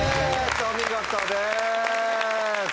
お見事です。